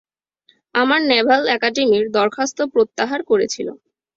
আমার নেভাল অ্যাকাডেমির দরখাস্ত প্রত্যাহার করেছিল।